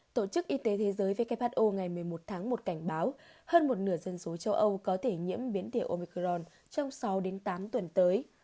tổ chức y tế thế giới who ngày một mươi một tháng một cảnh báo hơn một nửa dân số châu âu có thể nhiễm biến omicron trong sáu tám tuần tới